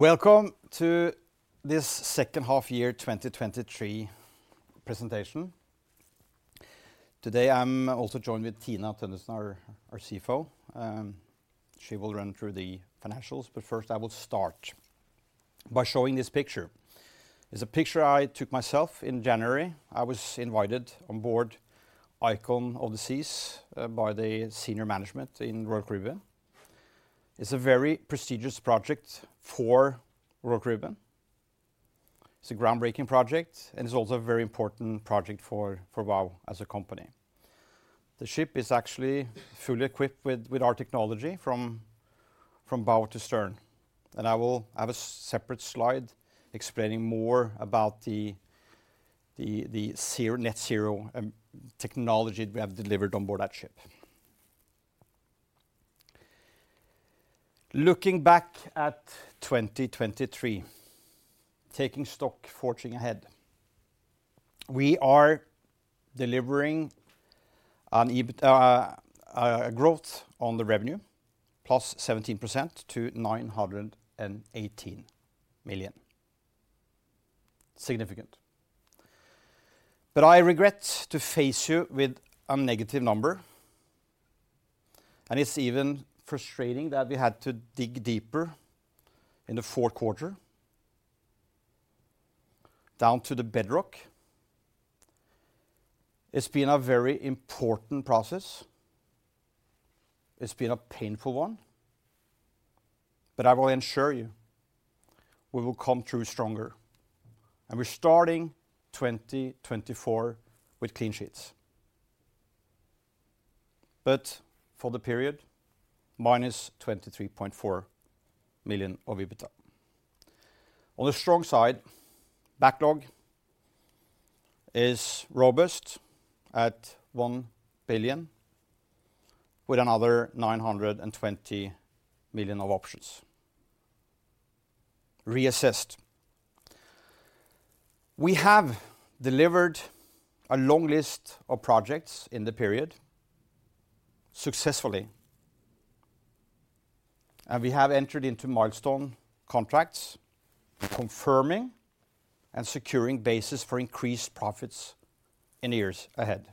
Welcome to this second half year 2023 presentation. Today I'm also joined with Tina Tønnessen, our CFO. She will run through the financials, but first I will start by showing this picture. It's a picture I took myself in January. I was invited on board Icon of the Seas by the senior management in Royal Caribbean. It's a very prestigious project for Royal Caribbean. It's a groundbreaking project, and it's also a very important project for Vow as a company. The ship is actually fully equipped with our technology from bow to stern, and I will have a separate slide explaining more about the net zero technology we have delivered on board that ship. Looking back at 2023, taking stock forging ahead, we are delivering a growth on the revenue plus 17% to 918 million. Significant. But I regret to face you with a negative number, and it's even frustrating that we had to dig deeper in the fourth quarter down to the bedrock. It's been a very important process. It's been a painful one, but I will ensure you we will come through stronger, and we're starting 2024 with clean sheets. But for the period, minus 23.4 million EBITDA. On the strong side, backlog is robust at 1 billion with another 920 million of options. Reassessed. We have delivered a long list of projects in the period successfully, and we have entered into milestone contracts confirming and securing basis for increased profits in years ahead.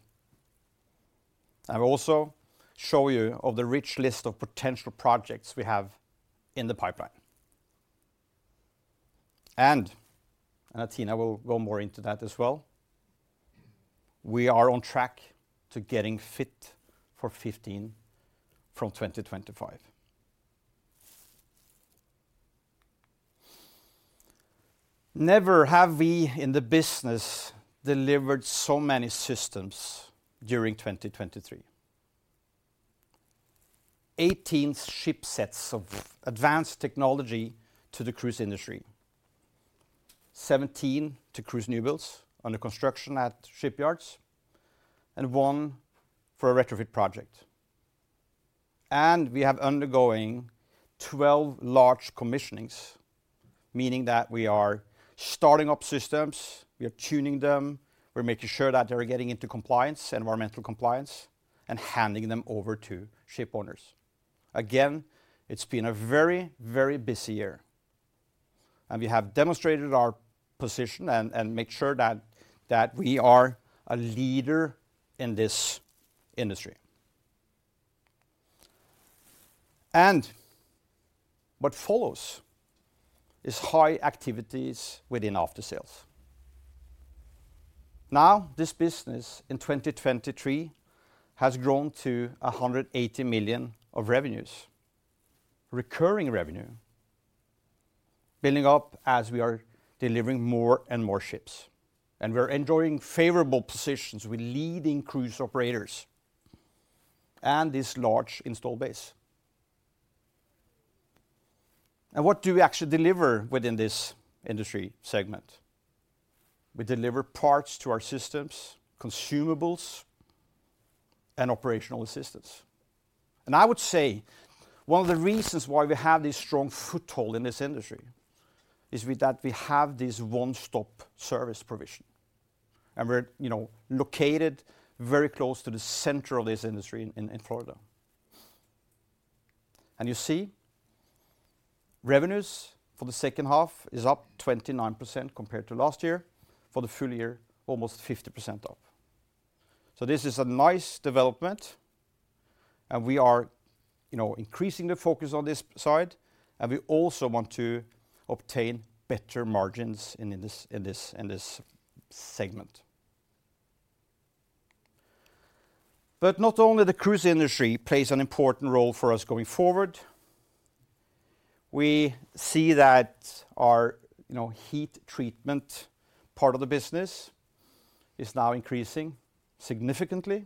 I will also show you the rich list of potential projects we have in the pipeline. And Tina will go more into that as well. We are on track to getting fit for 2025. Never have we in the business delivered so many systems during 2023. A 18 shipsets of advanced technology to the cruise industry, 17 to cruise newbuilds under construction at shipyards, and one for a retrofit project. And we have undergoing 12 large commissionings, meaning that we are starting up systems, we are tuning them, we're making sure that they're getting into compliance, environmental compliance, and handing them over to shipowners. Again, it's been a very, very busy year, and we have demonstrated our position and made sure that we are a leader in this industry. And what follows is high activities within aftersales. Now this business in 2023 has grown to 180 million of revenues, recurring revenue, building up as we are delivering more and more ships, and we are enjoying favorable positions with leading cruise operators and this large install base. What do we actually deliver within this industry segment? We deliver parts to our systems, consumables, and operational assistance. I would say one of the reasons why we have this strong foothold in this industry is that we have this one-stop service provision, and we're located very close to the center of this industry in Florida. You see, revenues for the second half is up 29% compared to last year. For the full year, almost 50% up. This is a nice development, and we are increasing the focus on this side, and we also want to obtain better margins in this segment. But not only does the cruise industry play an important role for us going forward, we see that our heat treatment part of the business is now increasing significantly,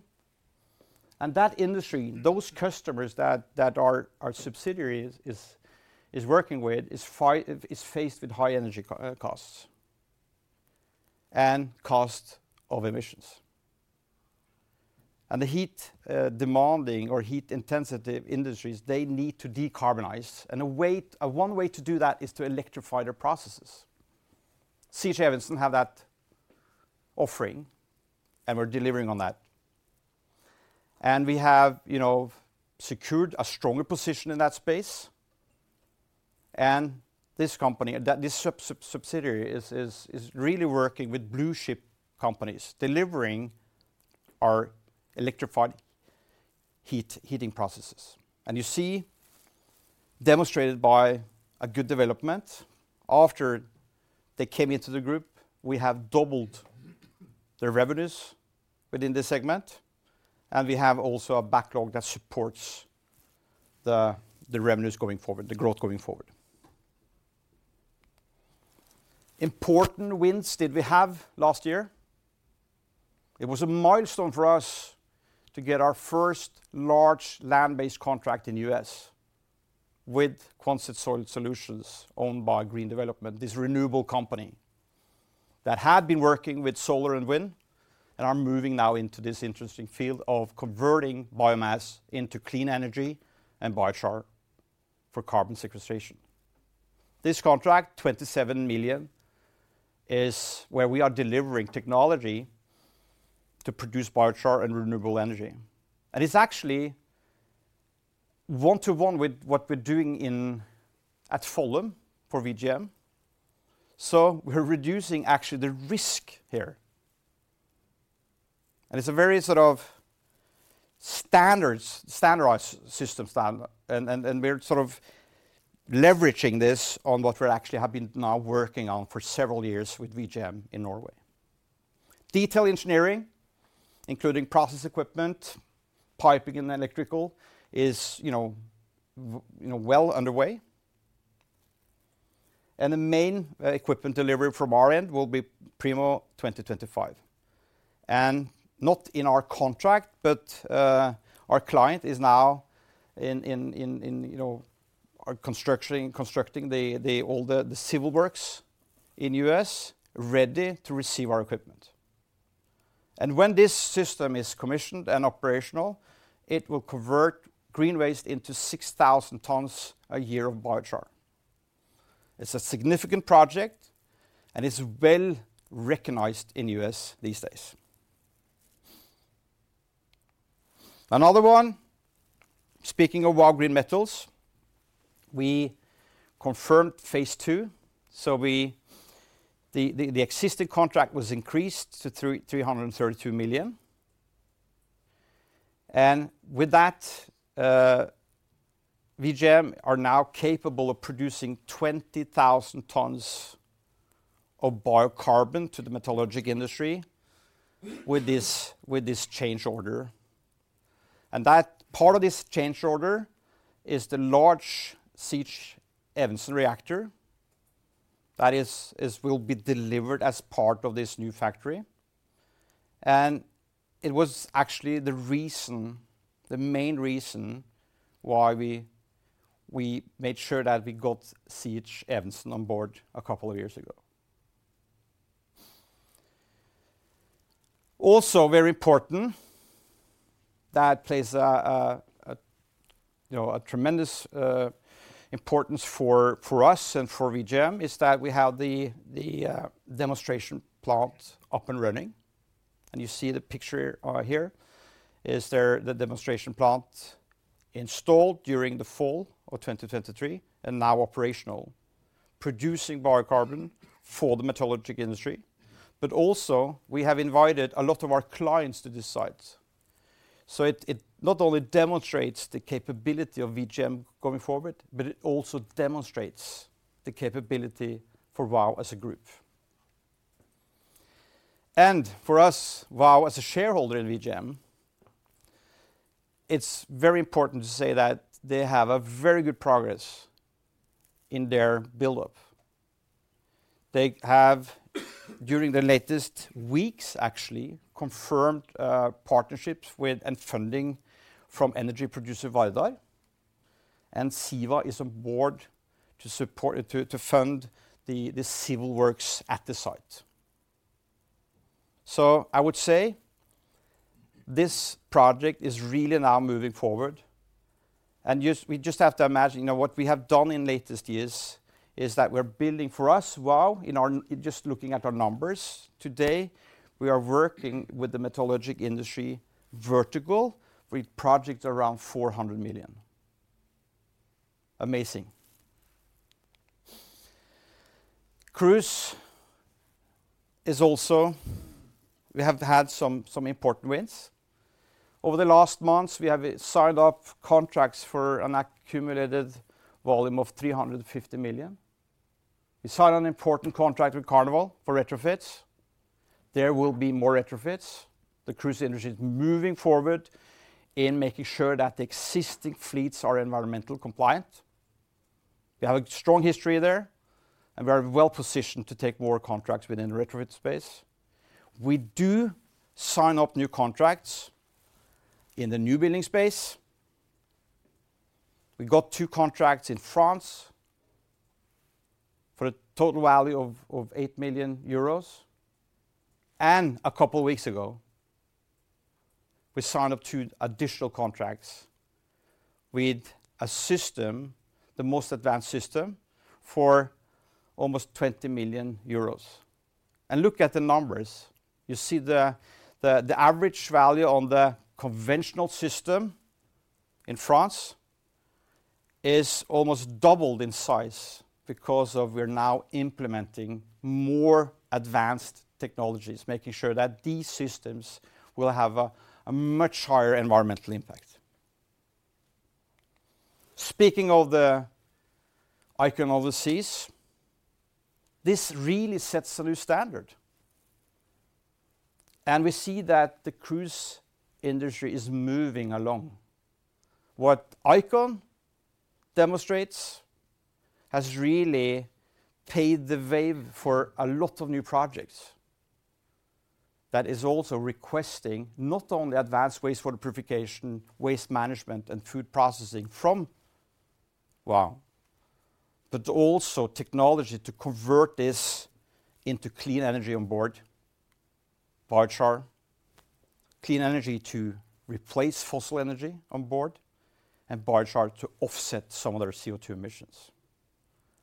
and that industry, those customers that our subsidiary is working with, is faced with high energy costs and cost of emissions. And the heat-demanding or heat-intensive industries, they need to decarbonize, and one way to do that is to electrify their processes. C.H. Evensen has that offering, and we're delivering on that. And we have secured a stronger position in that space, and this subsidiary is really working with blue-chip companies delivering our electrified heating processes. And you see, demonstrated by a good development, after they came into the group, we have doubled their revenues within this segment, and we have also a backlog that supports the revenues going forward, the growth going forward. Important wins did we have last year? It was a milestone for us to get our first large land-based contract in the U.S. with Quonset Soil Solutions, owned by Green Development, this renewable company that had been working with solar and wind, and are moving now into this interesting field of converting biomass into clean energy and biochar for carbon sequestration. This contract, $27 million, is where we are delivering technology to produce biochar and renewable energy, and it's actually one-to-one with what we're doing at Follum for VGM. So we're reducing actually the risk here, and it's a very standardized system, and we're leveraging this on what we actually have been now working on for several years with VGM in Norway. Detail engineering, including process equipment, piping, and electrical, is well underway, and the main equipment delivery from our end will be Q1 2025. Not in our contract, but our client is now constructing all the civil works in the U.S., ready to receive our equipment. When this system is commissioned and operational, it will convert green waste into 6,000 tons a year of biochar. It's a significant project, and it's well recognized in the U.S. these days. Another one, speaking of Vow Green Metals, we confirmed phase two, so the existing contract was increased to 332 million, and with that, VGM are now capable of producing 20,000 tons of biocarbon to the metallurgic industry with this change order. Part of this change order is the large C.H Evensen reactor that will be delivered as part of this new factory, and it was actually the main reason why we made sure that we got C.H. Evensen on board a couple of years ago. Also, very important, that plays a tremendous importance for us and for VGM, is that we have the demonstration plant up and running. And you see the picture here, is there the demonstration plant installed during the fall of 2023 and now operational, producing biocarbon for the metallurgical industry, but also we have invited a lot of our clients to this site. So it not only demonstrates the capability of VGM going forward, but it also demonstrates the capability for Vow as a group. And for us, Vow as a shareholder in VGM, it's very important to say that they have very good progress in their buildup. They have, during the latest weeks actually, confirmed partnerships and funding from energy producer Vardar, and SIVA is on board to fund the civil works at the site. So I would say this project is really now moving forward, and we just have to imagine what we have done in the latest years is that we're building for us, Vow. Just looking at our numbers, today we are working with the metallurgical industry vertical with projects around 400 million. Amazing. Cruise is also; we have had some important wins. Over the last months, we have signed up contracts for an accumulated volume of 350 million. We signed an important contract with Carnival for retrofits. There will be more retrofits. The cruise industry is moving forward in making sure that the existing fleets are environmentally compliant. We have a strong history there, and we are well positioned to take more contracts within the retrofit space. We do sign up new contracts in the new building space. We got two contracts in France for a total value of 8 million euros, and a couple of weeks ago we signed two additional contracts with a system, the most advanced system, for almost 20 million euros. And look at the numbers. You see the average value on the conventional system in France is almost doubled in size because we are now implementing more advanced technologies, making sure that these systems will have a much higher environmental impact. Speaking of the Icon of the Seas, this really sets a new standard, and we see that the cruise industry is moving along. What Icon demonstrates has really paved the way for a lot of new projects that are also requesting not only advanced waste treatment, waste management, and food processing from Vow, but also technology to convert this into clean energy on board, biochar, clean energy to replace fossil energy on board, and biochar to offset some of their CO2 emissions.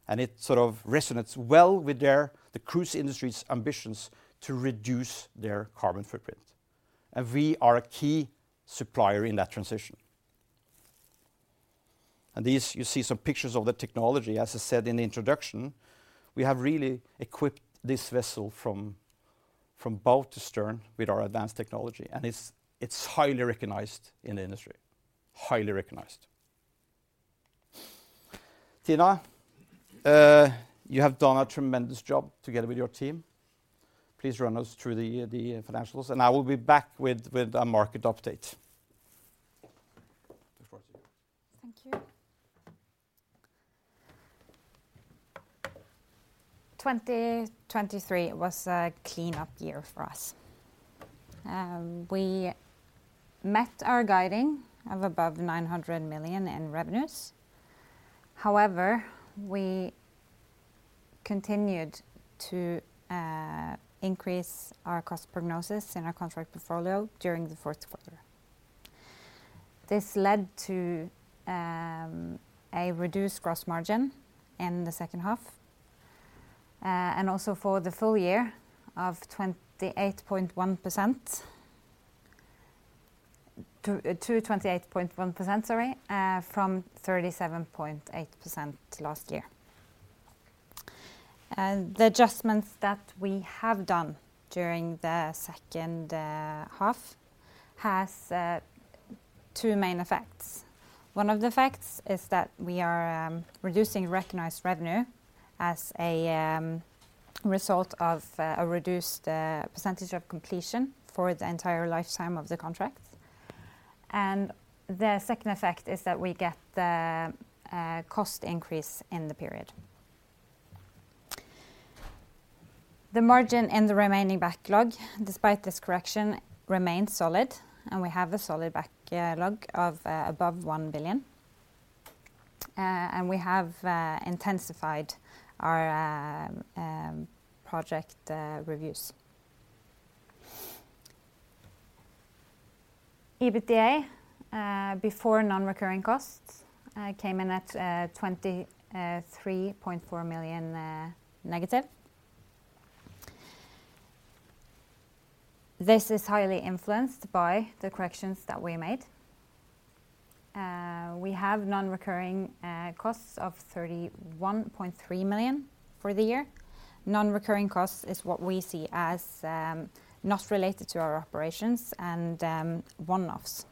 It resonates well with the cruise industry's ambitions to reduce their carbon footprint, and we are a key supplier in that transition. You see some pictures of the technology. As I said in the introduction, we have really equipped this vessel from bow to stern with our advanced technology, and it's highly recognized in the industry, highly recognized. Tina, you have done a tremendous job together with your team. Please run us through the financials, and I will be back with a market update. Look forward to you. Thank you. 2023 was a clean-up year for us. We met our guiding of above 900 million in revenues. However, we continued to increase our cost prognosis in our contract portfolio during the fourth quarter. This led to a reduced gross margin in the second half, and also for the full year of 28.1%-28.1%, sorry, from 37.8% last year. The adjustments that we have done during the second half have two main effects. One of the effects is that we are reducing recognized revenue as a result of a reduced percentage of completion for the entire lifetime of the contract. And the second effect is that we get a cost increase in the period. The margin in the remaining backlog, despite this correction, remains solid, and we have a solid backlog of above 1 billion, and we have intensified our project reviews. EBITDA before non-recurring costs came in at 23.4 million negative. This is highly influenced by the corrections that we made. We have non-recurring costs of 31.3 million for the year. Non-recurring costs is what we see as not related to our operations and one-offs.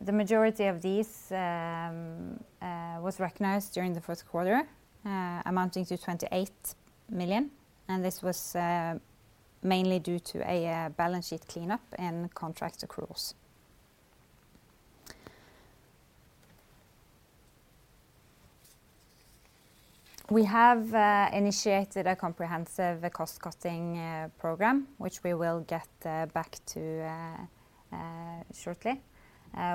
The majority of these was recognized during the first quarter, amounting to 28 million, and this was mainly due to a balance sheet cleanup in contract accruals. We have initiated a comprehensive cost-cutting program, which we will get back to shortly,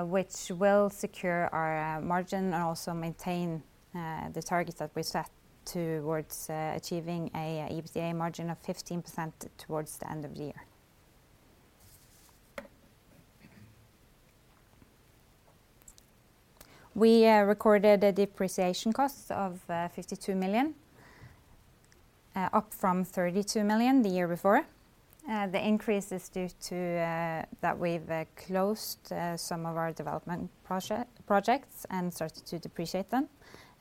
which will secure our margin and also maintain the targets that we set towards achieving an EBITDA margin of 15% towards the end of the year. We recorded a depreciation cost of 52 million, up from 32 million the year before. The increase is due to that we've closed some of our development projects and started to depreciate them,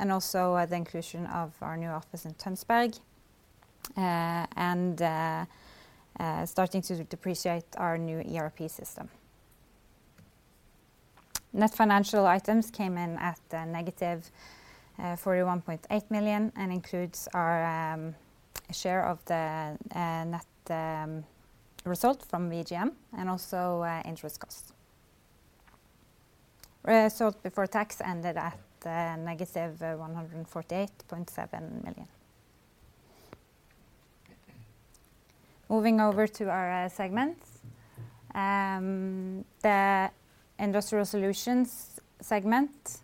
and also the inclusion of our new office in Tønsberg, and starting to depreciate our new ERP System. Net financial items came in at negative 41.8 million and include our share of the net result from VGM and also interest costs. Result before tax ended at negative 148.7 million. Moving over to our segments. The Industrial Solutions segment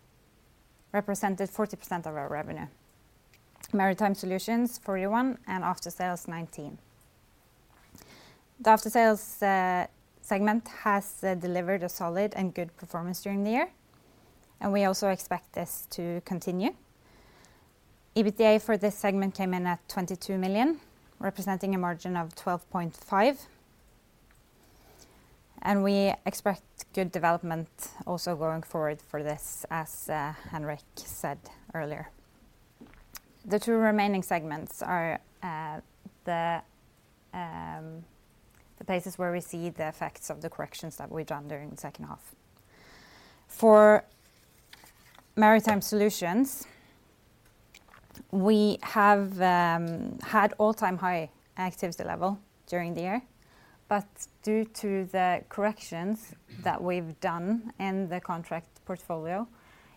represented 40% of our revenue. Maritime Solutions 41% and after-sales 19%. The after-sales segment has delivered a solid and good performance during the year, and we also expect this to continue. EBITDA for this segment came in at 22 million, representing a margin of 12.5%, and we expect good development also going forward for this, as Henrik said earlier. The two remaining segments are the places where we see the effects of the corrections that we've done during the second half. For Maritime Solutions, we have had all-time high activity level during the year, but due to the corrections that we've done in the contract portfolio,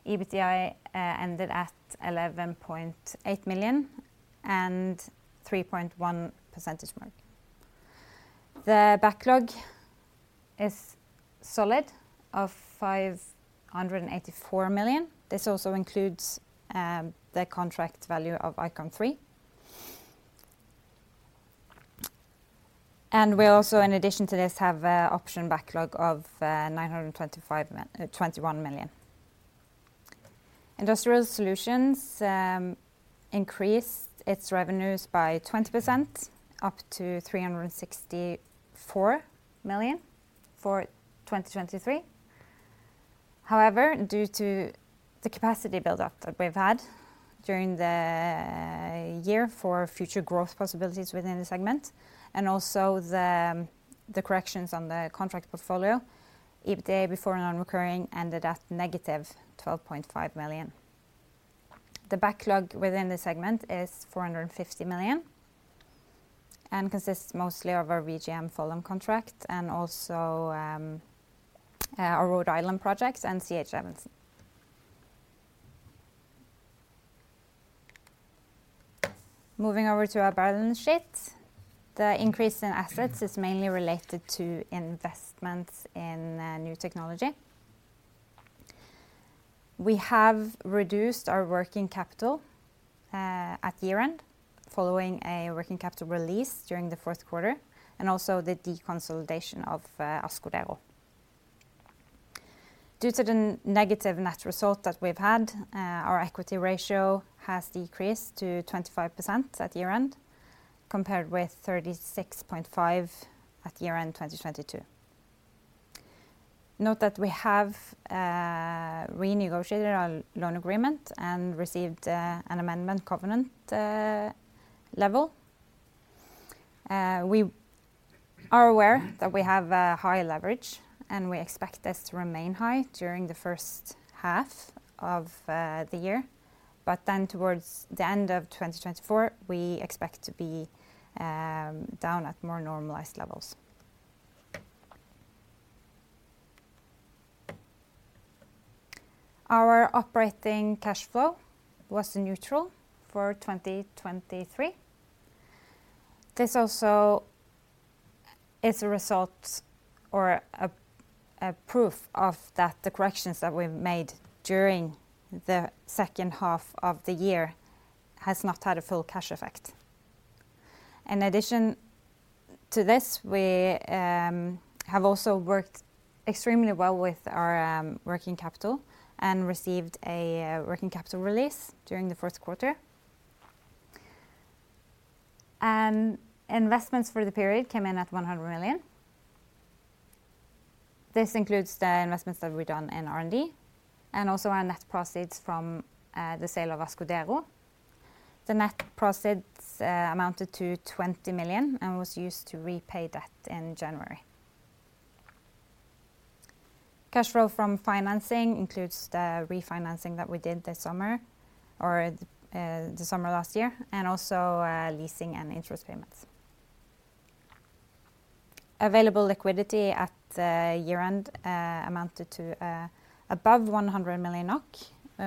EBITDA ended at 11.8 million and 3.1% mark. The backlog is solid of 584 million. This also includes the contract value of Icon 3. And we also, in addition to this, have an option backlog of 921 million. Industrial Solutions increased its revenues by 20%, up to 364 million for 2023. However, due to the capacity buildup that we've had during the year for future growth possibilities within the segment, and also the corrections on the contract portfolio, EBITDA before non-recurring ended at negative 12.5 million. The backlog within the segment is 450 million and consists mostly of our VGM Follum contract and also our Rhode Island projects and C.H. Evensen. Moving over to our balance sheet, the increase in assets is mainly related to investments in new technology. We have reduced our working capital at year-end, following a working capital release during the fourth quarter and also the deconsolidation of Ascodero. Due to the negative net result that we've had, our equity ratio has decreased to 25% at year-end, compared with 36.5% at year-end 2022. Note that we have renegotiated our loan agreement and received an amendment covenant level. We are aware that we have high leverage, and we expect this to remain high during the first half of the year, but then towards the end of 2024, we expect to be down at more normalized levels. Our operating cash flow was neutral for 2023. This also is a result or a proof of that the corrections that we've made during the second half of the year have not had a full cash effect. In addition to this, we have also worked extremely well with our working capital and received a working capital release during the fourth quarter. Investments for the period came in at 100 million. This includes the investments that we've done in R&D and also our net proceeds from the sale of Ascodero. The net proceeds amounted to 20 million and was used to repay that in January. Cash flow from financing includes the refinancing that we did this summer or the summer last year, and also leasing and interest payments. Available liquidity at year-end amounted to above 100 million NOK,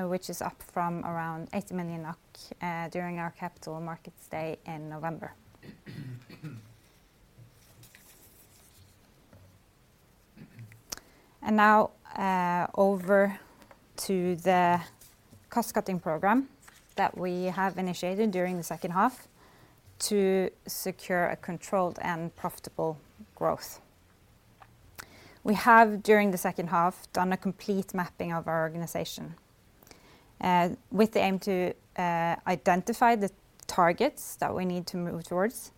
which is up from around 80 million NOK during our capital market stay in November. Now over to the cost-cutting program that we have initiated during the second half to secure a controlled and profitable growth. We have, during the second half, done a complete mapping of our organization with the aim to identify the targets that we need to move towards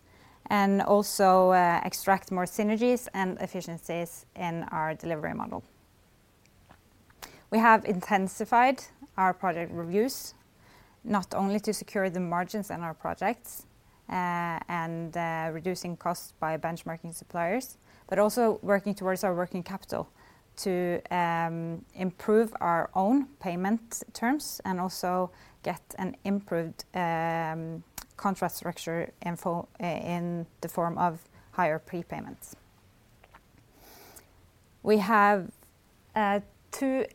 and also extract more synergies and efficiencies in our delivery model. We have intensified our project reviews, not only to secure the margins in our projects and reducing costs by benchmarking suppliers, but also working towards our working capital to improve our own payment terms and also get an improved contract structure in the form of higher prepayments. We have two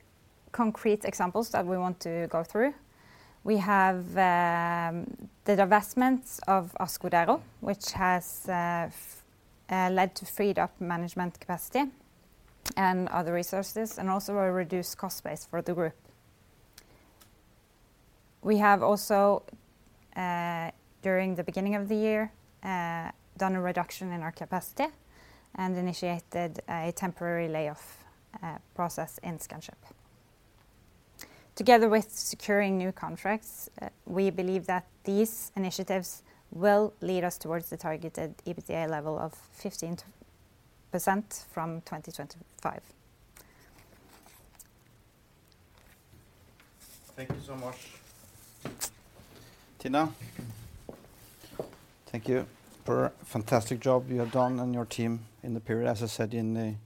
concrete examples that we want to go through. We have the investments of Ascodero, which has led to freed up management capacity and other resources, and also a reduced cost base for the group. We have also, during the beginning of the year, done a reduction in our capacity and initiated a temporary layoff process in Scanship. Together with securing new contracts, we believe that these initiatives will lead us towards the targeted EBITDA level of 15% from 2025. Thank you so much. Tina, thank you for a fantastic job you have done and your team in the period, as I said when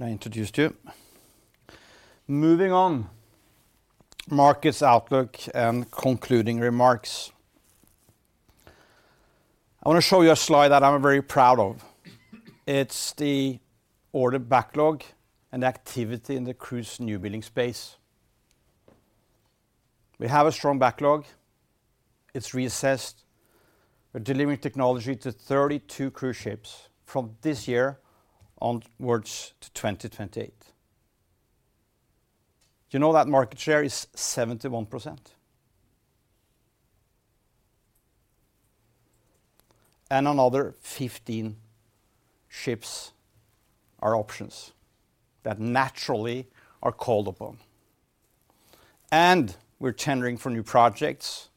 I introduced you. Moving on, market's outlook and concluding remarks. I want to show you a slide that I'm very proud of. It's the order backlog and the activity in the cruise newbuilding space. We have a strong backlog. It's reassessed. We're delivering technology to 32 cruise ships from this year onwards to 2028. You know that market share is 71%. And another 15 ships are options that naturally are called upon. We're tendering for new projects,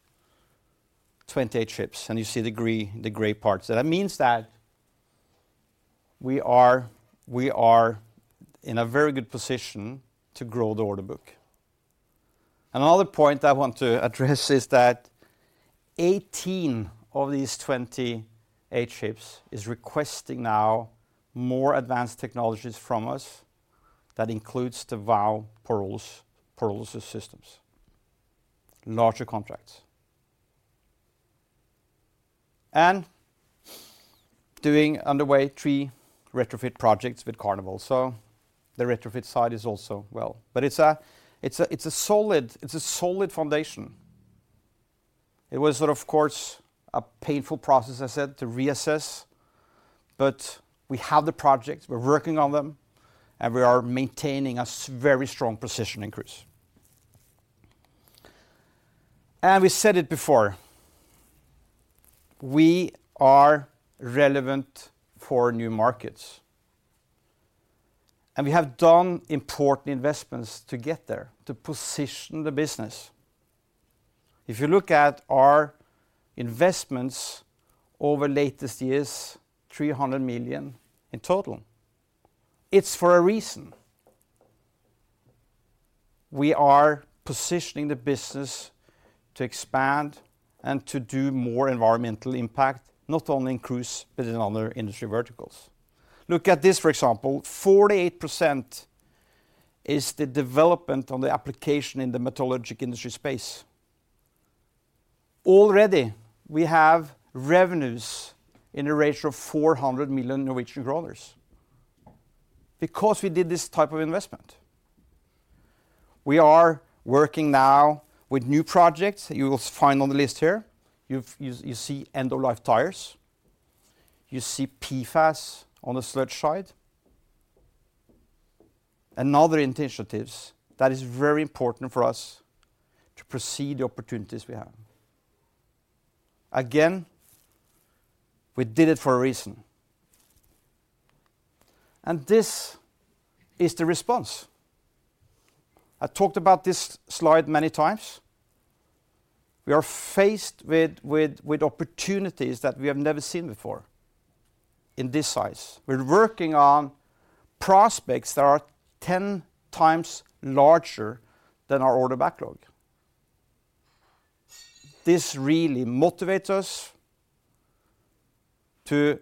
28 ships, and you see the gray parts. That means that we are in a very good position to grow the order book. Another point that I want to address is that 18 of these 28 ships are requesting now more advanced technologies from us. That includes the Vow pyrolysis systems, larger contracts. And doing underway three retrofit projects with Carnival. The retrofit side is also well. It's a solid foundation. It was, of course, a painful process, as I said, to reassess. We have the projects. We're working on them, and we are maintaining a very strong position in cruise. We said it before. We are relevant for new markets. We have done important investments to get there, to position the business. If you look at our investments over the latest years, 300 million in total, it's for a reason. We are positioning the business to expand and to do more environmental impact, not only in cruise but in other industry verticals. Look at this, for example. 48% is the development on the application in the metallurgic industry space. Already, we have revenues in a ratio of 400 million Norwegian kroner because we did this type of investment. We are working now with new projects that you will find on the list here. You see end-of-life tires. You see PFAS on the sludge side. And other initiatives that are very important for us to proceed the opportunities we have. Again, we did it for a reason. This is the response. I talked about this slide many times. We are faced with opportunities that we have never seen before in this size. We're working on prospects that are 10 times larger than our order backlog. This really motivates us to,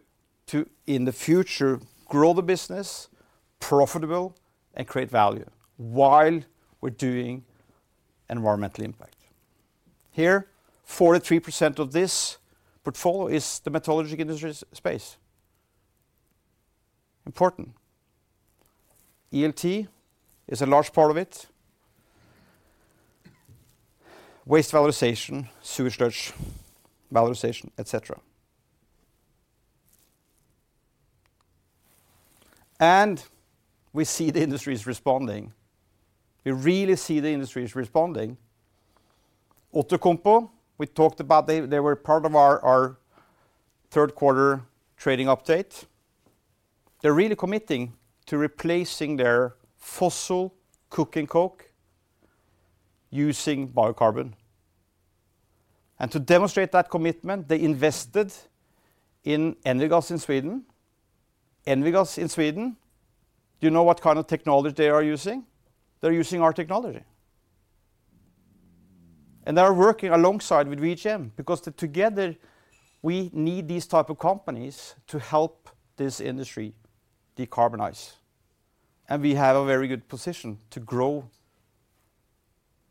in the future, grow the business profitable, and create value while we're doing environmental impact. Here, 43% of this portfolio is the metallurgic industry space. Important. ELT is a large part of it. Waste valorization, sewage sludge valorization, etc.. And we see the industries responding. We really see the industries responding. Outokumpu, we talked about. They were part of our third quarter trading update. They're really committing to replacing their fossil coking coke using biocarbon. And to demonstrate that commitment, they invested in Envigas in Sweden. Envigas in Sweden, do you know what kind of technology they are using? They're using our technology. And they are working alongside with VGM because together, we need these types of companies to help this industry decarbonize. We have a very good position to grow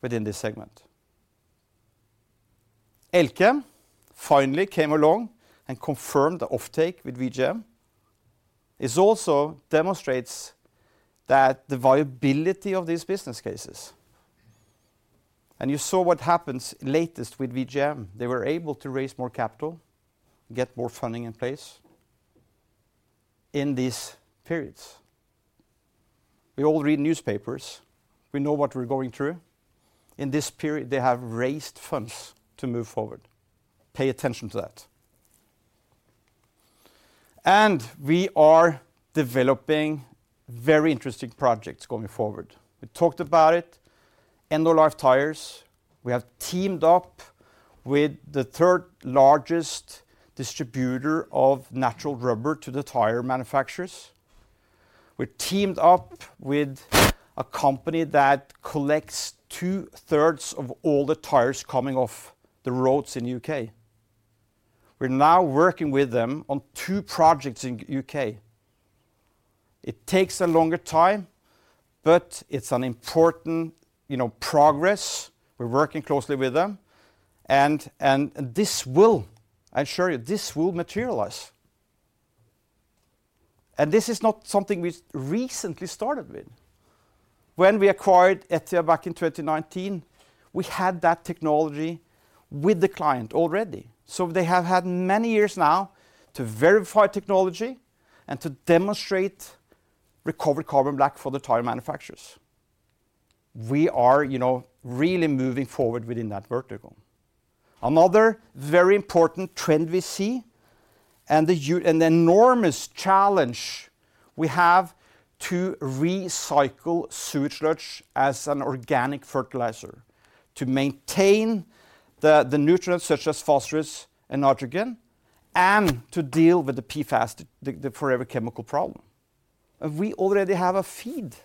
within this segment. Elkem finally came along and confirmed the offtake with VGM. It also demonstrates the viability of these business cases. You saw what happens latest with VGM. They were able to raise more capital, get more funding in place in these periods. We all read newspapers. We know what we're going through. In this period, they have raised funds to move forward. Pay attention to that. We are developing very interesting projects going forward. We talked about it. End-of-life tires, we have teamed up with the third largest distributor of natural rubber to the tire manufacturers. We're teamed up with a company that collects two-thirds of all the tires coming off the roads in the UK. We're now working with them on two projects in the U.K.. It takes a longer time, but it's an important progress. We're working closely with them. This will, I assure you, this will materialize. This is not something we recently started with. When we acquired ETIA back in 2019, we had that technology with the client already. So they have had many years now to verify technology and to demonstrate recovered carbon black for the tire manufacturers. We are really moving forward within that vertical. Another very important trend we see and the enormous challenge we have to recycle sewage sludge as an organic fertilizer, to maintain the nutrients such as phosphorus and nitrogen, and to deal with the PFAS, the forever chemical problem. We already have a feed,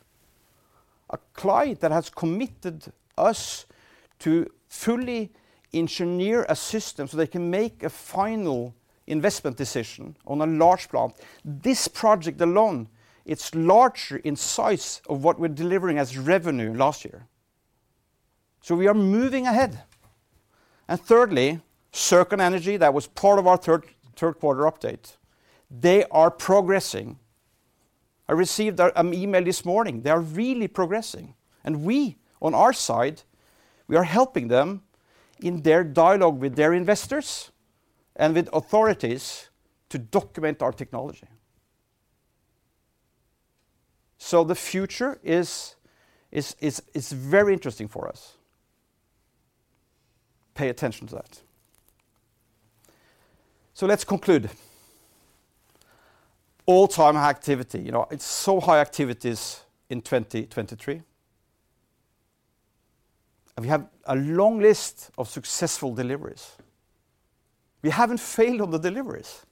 a client that has committed us to fully engineer a system so they can make a final investment decision on a large plant. This project alone, it's larger in size of what we're delivering as revenue last year. So we are moving ahead. And thirdly, Cirque Energy, that was part of our third quarter update, they are progressing. I received an email this morning. They are really progressing. And we, on our side, we are helping them in their dialogue with their investors and with authorities to document our technology. So the future is very interesting for us. Pay attention to that. So let's conclude. All-time high activity. It's so high activities in 2023. And we have a long list of successful deliveries. We haven't failed on the deliveries.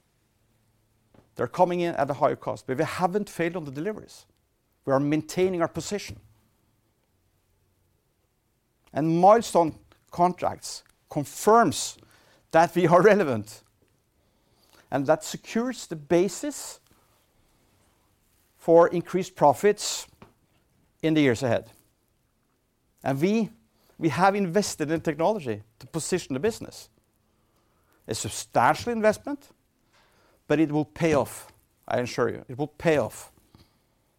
They're coming in at a higher cost, but we haven't failed on the deliveries. We are maintaining our position. And milestone contracts confirm that we are relevant, and that secures the basis for increased profits in the years ahead. And we have invested in technology to position the business. A substantial investment, but it will pay off, I assure you. It will pay off.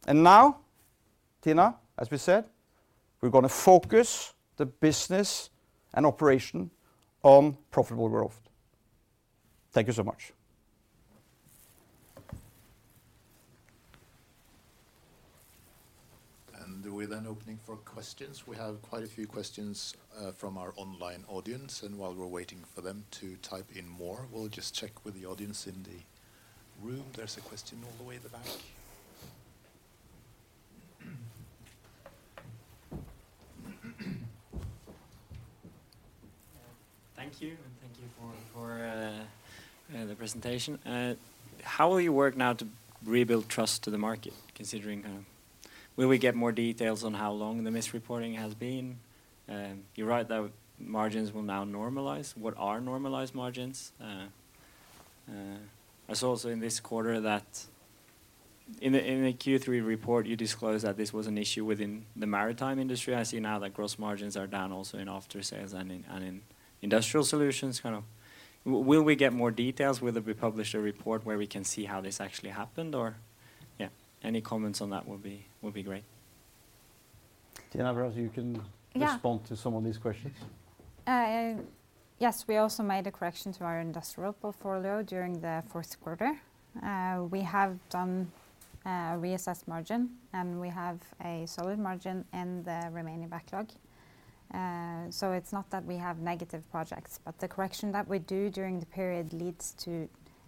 Now, Tina, as we said, we're going to focus the business and operation on profitable growth. Thank you so much. Do we then open for questions? We have quite a few questions from our online audience. While we're waiting for them to type in more, we'll just check with the audience in the room. There's a question all the way in the back. Thank you. Thank you for the presentation. How will you work now to rebuild trust to the market, considering, will we get more details on how long the misreporting has been? You write that margins will now normalize. What are normalized margins? I saw also in this quarter that in the Q3 report, you disclosed that this was an issue within the maritime industry. I see now that gross margins are down also in after-sales and in Industrial Solutions. Will we get more details? Will there be published a report where we can see how this actually happened? Or yeah, any comments on that will be great. Tina Tønnessen, you can respond to some of these questions. Yes. We also made a correction to our industrial portfolio during the fourth quarter. We have done a reassessed margin, and we have a solid margin in the remaining backlog. So it's not that we have negative projects, but the correction that we do during the period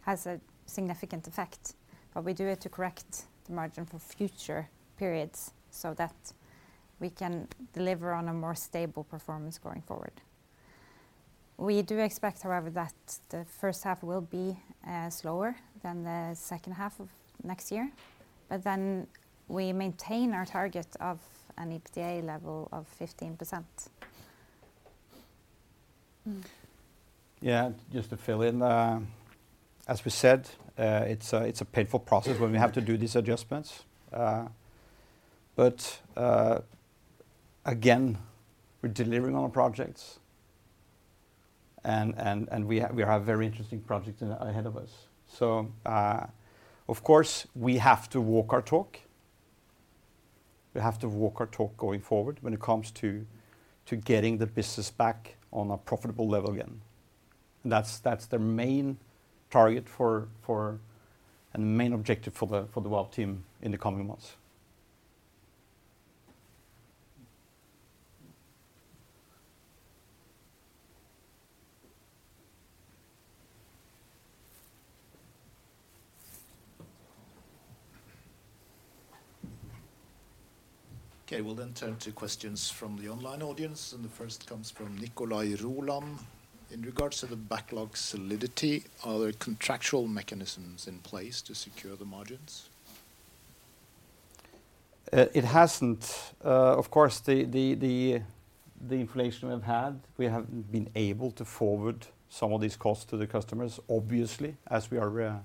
has a significant effect. But we do it to correct the margin for future periods so that we can deliver on a more stable performance going forward. We do expect, however, that the first half will be slower than the second half of next year but then we maintain our target of an EBITDA level of 15%. Yeah. Just to fill in, as we said, it's a painful process when we have to do these adjustments. But again, we're delivering on our projects, and we have very interesting projects ahead of us. So of course, we have to walk our talk. We have to walk our talk going forward when it comes to getting the business back on a profitable level again. And that's the main target and main objective for the Vow team in the coming months. Okay. We'll then turn to questions from the online audience. And the first comes from Nicolai Roland. In regards to the backlog solidity, are there contractual mechanisms in place to secure the margins? It hasn't. Of course, the inflation we've had, we haven't been able to forward some of these costs to the customers, obviously, as we are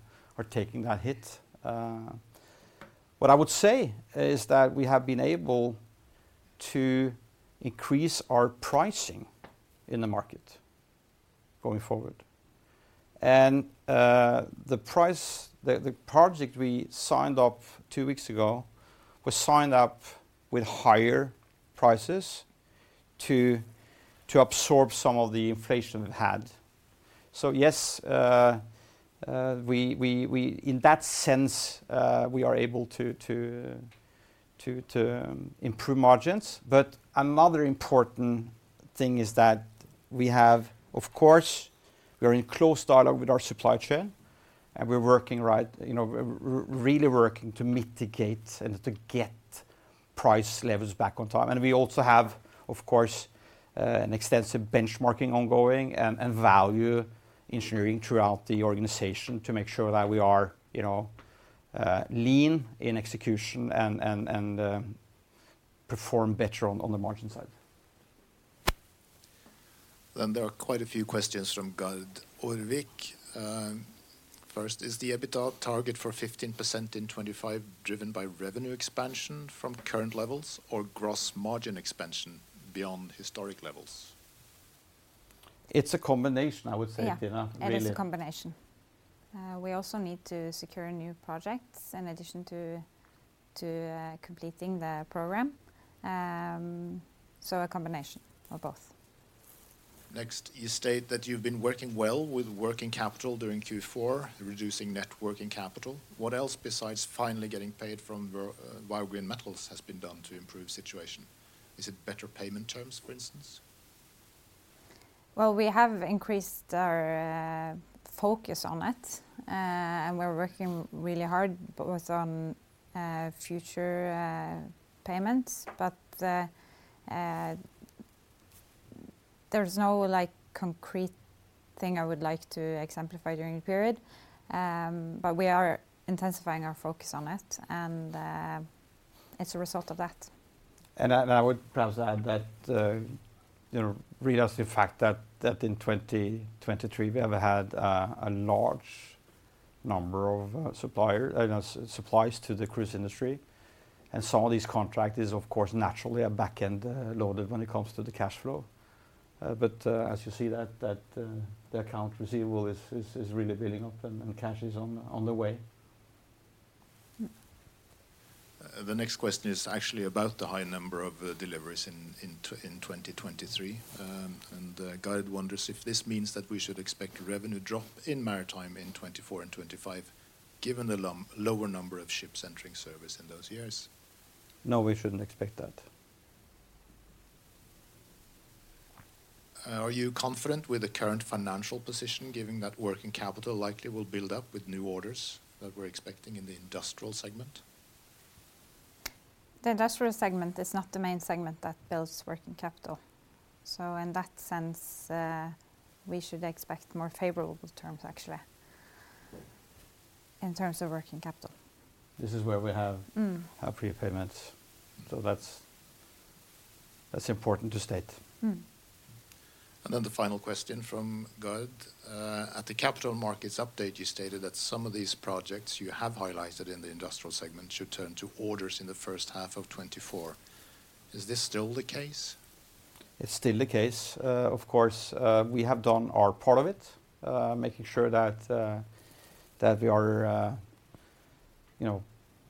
taking that hit. What I would say is that we have been able to increase our pricing in the market going forward. And the project we signed up two weeks ago was signed up with higher prices to absorb some of the inflation we've had. So yes, in that sense, we are able to improve margins. But another important thing is that we have, of course, we are in close dialogue with our supply chain, and we're really working to mitigate and to get price levels back on time. And we also have, of course, an extensive benchmarking ongoing and value engineering throughout the organization to make sure that we are lean in execution and perform better on the margin side. Then there are quite a few questions from Gard Aarvik. First, is the EBITDA target for 15% in 2025 driven by revenue expansion from current levels or gross margin expansion beyond historic levels? It's a combination, I would say, Tina, really. Yeah. It is a combination. We also need to secure new projects in addition to completing the program. So a combination of both. Next, you state that you've been working well with working capital during Q4, reducing net working capital. What else besides finally getting paid from Vow Green Metals has been done to improve the situation? Is it better payment terms, for instance? Well, we have increased our focus on it. And we're working really hard both on future payments. But there's no concrete thing I would like to exemplify during the period. But we are intensifying our focus on it. And it's a result of that. I would perhaps add that leads us to the fact that in 2023, we have had a large number of supplies to the cruise industry. Some of these contracts is, of course, naturally a back-end loaded when it comes to the cash flow. As you see, the account receivable is really building up, and cash is on the way. The next question is actually about the high number of deliveries in 2023. Gerd wonders if this means that we should expect a revenue drop in maritime in 2024 and 2025 given the lower number of ships entering service in those years. No, we shouldn't expect that. Are you confident with the current financial position given that working capital likely will build up with new orders that we're expecting in the industrial segment? The industrial segment is not the main segment that builds working capital. So in that sense, we should expect more favorable terms, actually, in terms of working capital. This is where we have our prepayments. So that's important to state. And then the final question from Gerd. At the capital markets update, you stated that some of these projects you have highlighted in the industrial segment should turn to orders in the first half of 2024. Is this still the case? It's still the case. Of course, we have done our part of it, making sure that we are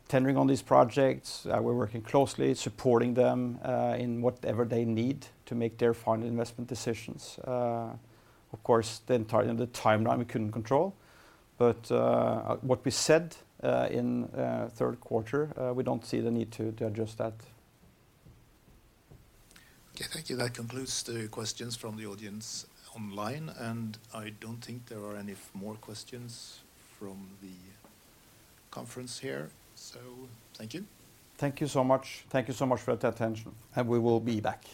tendering on these projects. We're working closely, supporting them in whatever they need to make their final investment decisions. Of course, the entire timeline, we couldn't control. But what we said in third quarter, we don't see the need to adjust that. Okay. Thank you. That concludes the questions from the audience online. I don't think there are any more questions from the conference here. Thank you. Thank you so much. Thank you so much for the attention. We will be back.